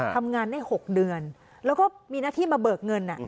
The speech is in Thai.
ทำงานได้๖เดือนแล้วก็มีหน้าที่มาเบิกเงิน